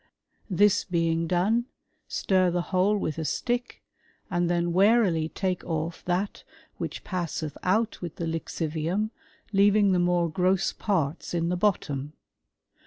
This being done, stir the whole with a stick, and then warily take off that which passeth out with the lixivium, leaving the more gross parts in the bottom.